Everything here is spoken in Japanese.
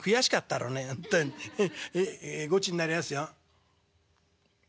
ええごちになりやすよ」。